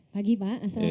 pagi pak assalamualaikum